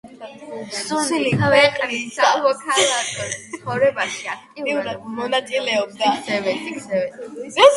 სუნი ქვეყნის სამოქალაქო ცხოვრებაში აქტიურად მონაწილეობდა.